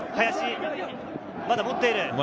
まだ持っている。